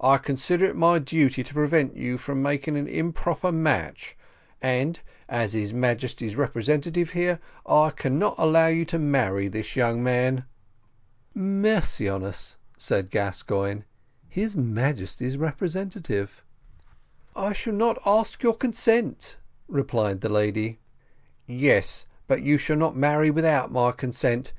I consider it my duty to prevent you from making an improper match; and, as his Majesty's representative here, I cannot allow you to marry this young man." "Mercy on us!" said Gascoigne, "his Majesty's representative!" "I shall not ask your consent," replied the lady. "Yes, but you shall not marry without my consent.